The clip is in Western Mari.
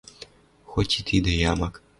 Хоть и тидӹ ямак